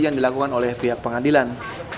yang dilakukan oleh pihak pengadilan